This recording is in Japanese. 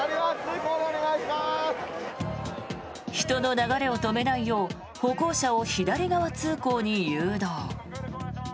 人の流れを止めないよう歩行者を左側通行に誘導。